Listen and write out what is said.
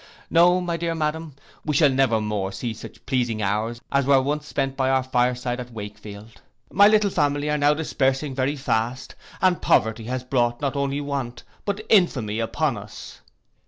No, my dear Madam, we shall never more see such pleasing hours as were once spent by our fire side at Wakefield. My little family are now dispersing very fast, and poverty has brought not only want, but infamy upon us.